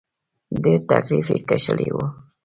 ډېر تکليف یې کشلی و.